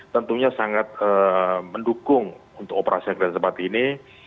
tentunya sangat mendukung untuk operasi agar seperti ini